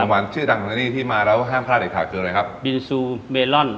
หวานชื่อดังของนี่ที่มาแล้วห้ามพลาดเด็ดขาดเจออะไรครับบิลซูเมลอน